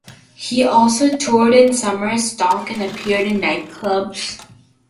He also toured in summer stock and appeared in nightclubs.